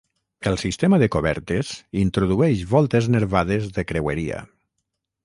El sistema de cobertes introdueix voltes nervades de creueria.